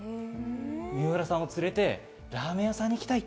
水卜さんを連れてラーメン屋さんに行きたい。